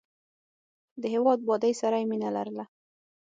د هېواد بادۍ سره یې مینه لرله.